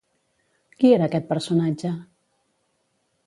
Qui era aquest personatge?